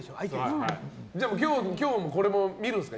じゃあ今日のこれも見るんですか？